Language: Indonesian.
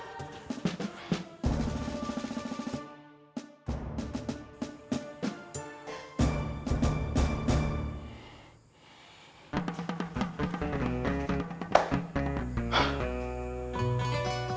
sholat dua rokaat